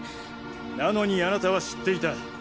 なのにあなたは知っていた。